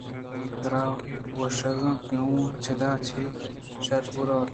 ترا گوٛشگءَ اوں کہ چداں چہ پہ شرّی برواِت